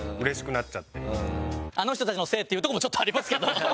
あの人たちのせいっていうとこもちょっとありますけど。